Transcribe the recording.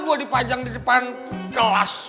gue dipajang di depan kelas